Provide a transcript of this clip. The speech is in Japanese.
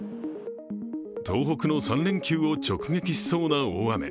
東北の３連休を直撃しそうな大雨。